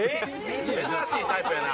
珍しいタイプやな。